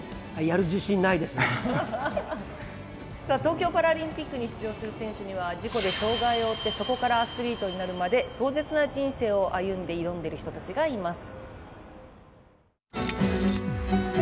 東京パラリンピックに出場する選手には事故で障がいを負ってそこからアスリートになるまで壮絶な人生を歩んで挑んでる人たちがいます。